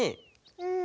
うん。